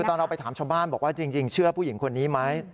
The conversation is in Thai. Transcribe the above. ตอนเราไปถามชาวบ้านบอกว่าจริงเชื่อผู้หญิงคนนี้ไหม